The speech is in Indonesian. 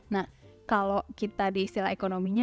nah kalau kita di istilah ekonominya